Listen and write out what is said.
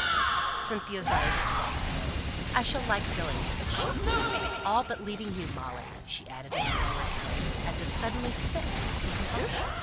Cynthia's eyes sparkled. "I shall like going," said she "all but leaving you, Molly," she added, in a lower tone, as if suddenly smitten with some compunction.